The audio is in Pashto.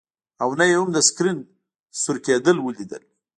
او نه یې هم د سکرین سور کیدل ولیدل